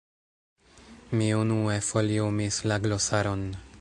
Mi unue foliumis la glosaron.